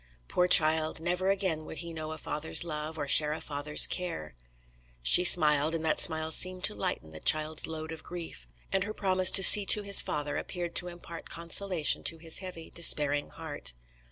Poor child! Never again would he know a father's love, or share a father's care. She smiled, and that smile seemed to lighten the child's load of grief, and her promise to see to his father appeared to impart consolation to his heavy, despairing heart.